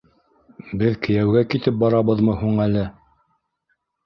Беҙ кейәүгә китеп барабыҙмы һуң әле.